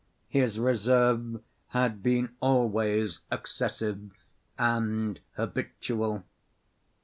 His reserve had been always excessive and habitual.